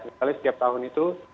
misalnya setiap tahun itu